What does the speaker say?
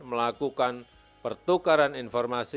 melakukan pertukaran informasi